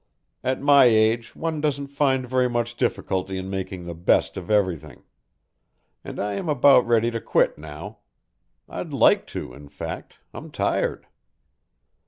At my age one doesn't find very much difficulty in making the best of everything. And I am about ready to quit now. I'd like to, in fact; I'm tired."